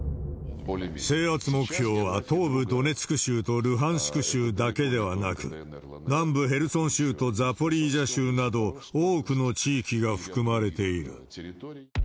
制圧目標は東部ドネツク州とルハンシク州だけではなく、南部ヘルソン州とザポリージャ州など、多くの地域が含まれている。